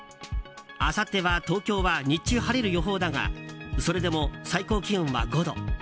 あさっては東京は日中、晴れる予報だがそれでも最高気温は５度。